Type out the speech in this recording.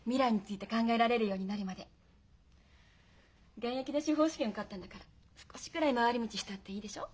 現役で司法試験受かったんだから少しぐらい回り道したっていいでしょう？